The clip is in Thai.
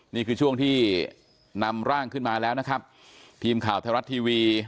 นี่คือช่วงที่นำร่างขึ้นมาแล้วนะครับทีมข่าวไทยรัฐทีวี